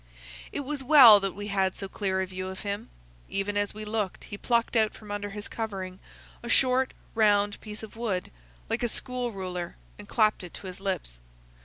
It was well that we had so clear a view of him. Even as we looked he plucked out from under his covering a short, round piece of wood, like a school ruler, and clapped it to his lips.